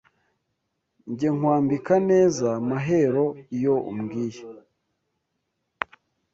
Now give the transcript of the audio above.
Njye nkwambika neza Mahero iyo umbwiye